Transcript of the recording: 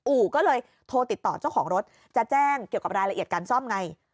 อู่ก็เลยโทรติดต่อเจ้าของรถจะแจ้งเกี่ยวกับรายละเอียดการซ่อมไง